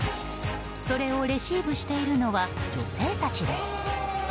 それをレシーブしているのは女性たちです。